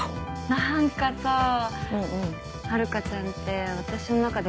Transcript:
何かさ遥ちゃんって私の中で。